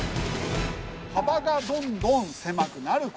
幅がどんどん狭くなる